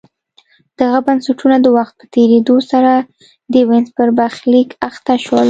دغه بنسټونه د وخت په تېرېدو سره د وینز په برخلیک اخته شول